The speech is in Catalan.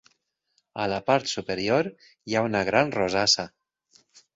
A la part superior hi ha una gran rosassa.